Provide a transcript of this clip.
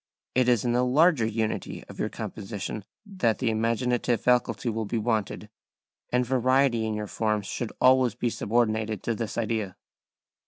It is in the larger unity of your composition that the imaginative faculty will be wanted, and variety in your forms should always be subordinated to this idea.